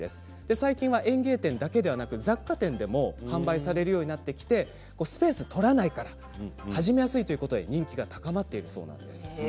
最近は園芸店のほか雑貨店などでも販売されるようになってきて場所を取らないため始めやすいということで人気が高まっているそうです。